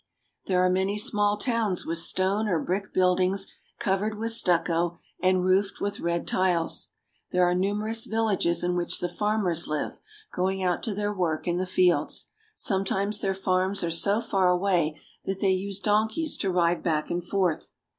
There are many ^ %fv*^ „„ small towns with stone or brick build ings covered with stucco and roofed with red tiles. There are numerous vil lages in which the farmers live, going out to their work in the fields. Sometimes their farms are so far away that they use donkeys to ride back and forth.